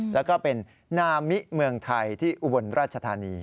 แล้วก็เป็นนามิเมืองไทยที่อุบลราชธานี